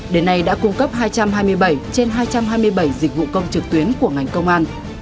đến nay đã cung cấp hai trăm hai mươi bảy trên hai trăm hai mươi bảy dịch vụ công trực tuyến của ngành công an